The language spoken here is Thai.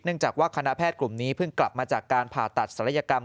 จากว่าคณะแพทย์กลุ่มนี้เพิ่งกลับมาจากการผ่าตัดศัลยกรรม